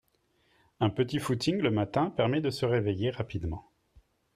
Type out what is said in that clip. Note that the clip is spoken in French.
Un petit footing le matin permet de se réveiller rapidement